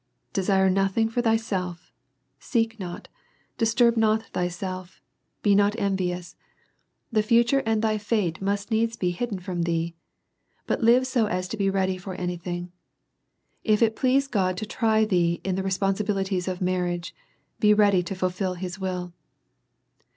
*• Desire nothing for thyself, seek not, disturb not thyself^ 266 WAR AND PEACE. be not envious. The future and thy fate must needs be hidden from thee ; but live so as to be ready for anything. If it please God to try thee in the responsibilities of marriage, be ready to fulfil his will."